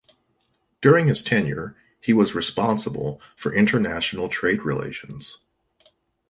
During his tenure, he was responsible for international trade relations.